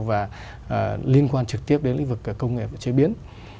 và liên quan trực tiếp đến lĩnh vực công nghệ và chế biến